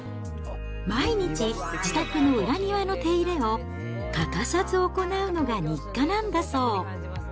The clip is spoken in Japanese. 毎日、自宅の裏庭の手入れを欠かさず行うのが日課なんだそう。